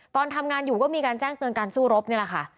ตอนทำงานอยู่ก็มีการแจ้งเตือนการสู้รบนี่แหละค่ะ